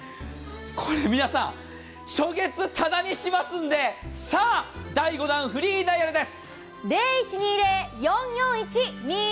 これ、皆さん、初月ただにしますんで、第５弾、フリーダイヤルです。